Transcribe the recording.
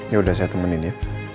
yaudah saya temenin ya